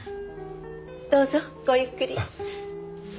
どうぞごゆっくり。